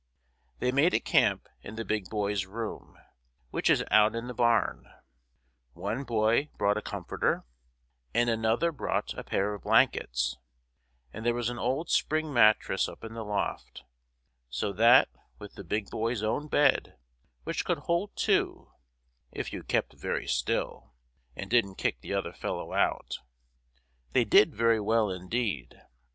They made a camp in the Big Boy's room, which is out in the barn. One boy brought a comforter, and another brought a pair of blankets; and there was an old spring mattress up in the loft, so that with the Big Boy's own bed, which could hold two (if you kept very still and didn't kick the other fellow out), they did very well indeed.